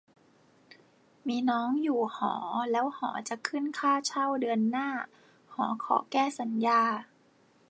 - มีน้องอยู่หอ แล้วหอจะขึ้นค่าเช่าเดือนหน้า หอขอแก้สัญญา